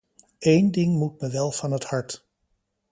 Eén ding moet me wel van het hart.